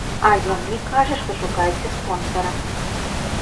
А ён мне кажа, што шукайце спонсара.